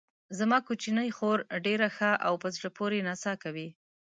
زما کوچنۍ خور ډېره ښه او په زړه پورې نڅا کوي.